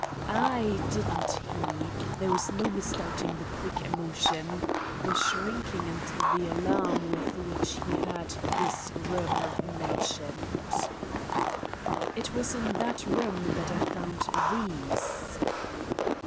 Ah! didn't he! There was no misdoubting the quick emotion—the shrinking and the alarm with which he heard this room mentioned. "It was in that room that I found these."